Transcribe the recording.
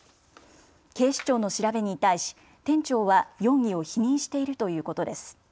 警視庁の調べに対し店長は容疑を否認しているということです。